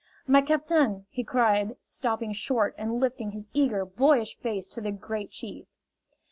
"My captain!" he cried, stopping short and lifting his eager, boyish face to the Great Chief.